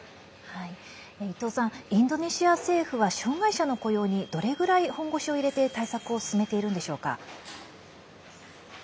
インドネシア政府は障害者の雇用にどれぐらい本腰を入れて対策を進めているんでしょうか？